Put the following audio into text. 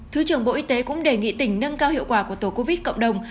thứ trưởng bộ y tế cũng đề nghị tỉnh nâng cao hiệu quả của tổ covid cộng đồng